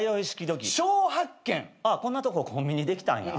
「小発見」ああこんなとこコンビニできたんや。